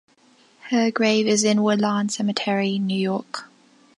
Her grave is in Woodlawn Cemetery, New York.